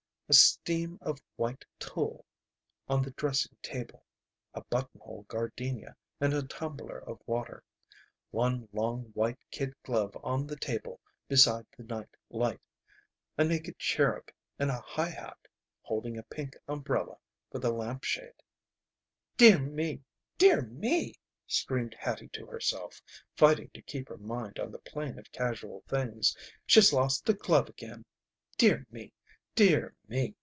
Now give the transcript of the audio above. A steam of white tulle on the dressing table. A buttonhole gardenia in a tumbler of water. One long white kid glove on the table beside the night light. A naked cherub in a high hat, holding a pink umbrella for the lamp shade. "Dear me! Dear me!" screamed Hattie to herself, fighting to keep her mind on the plane of casual things. "She's lost a glove again. Dear me! Dear me!